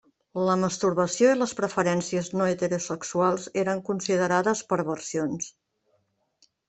La masturbació i les preferències no heterosexuals eren considerades perversions.